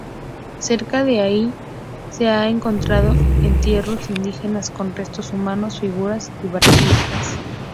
Cerca de ahí se han encontrado entierros indígenas con restos humanos, figuras y vasijas.